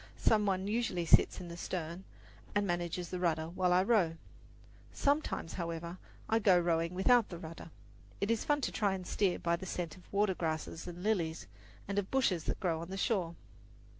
Some one usually sits in the stern and manages the rudder while I row. Sometimes, however, I go rowing without the rudder. It is fun to try to steer by the scent of watergrasses and lilies, and of bushes that grow on the shore.